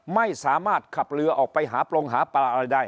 ไม่สามารถขับเรือออกไปหาปรงหาปลาอะไรได้